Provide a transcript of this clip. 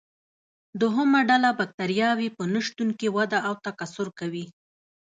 دوهمه ډله بکټریاوې په نشتون کې وده او تکثر کوي.